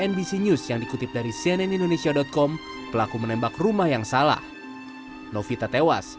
nbc news yang dikutip dari cnn indonesia com pelaku menembak rumah yang salah novita tewas